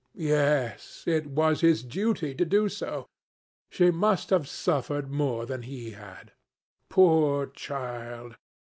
Yes, it was his duty to do so. She must have suffered more than he had. Poor child!